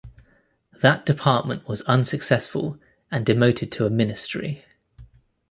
That department was unsuccessful, and demoted to a Ministry.